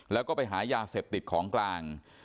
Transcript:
แล้วก็ไปหายาเสพติดของกลาง